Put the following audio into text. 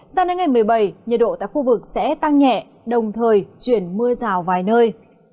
sang đến ngày một mươi bảy nhiệt độ tại khu vực sẽ tăng nhẹ đồng thời chuyển mưa rào vài nơi